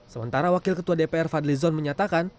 sementara wakil ketua dpr fadlizon menyatakan